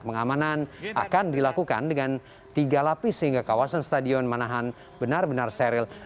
pengamanan akan dilakukan dengan tiga lapis sehingga kawasan stadion manahan benar benar steril